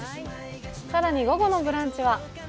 更に午後の「ブランチ」は？